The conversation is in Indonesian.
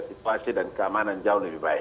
situasi dan keamanan jauh lebih baik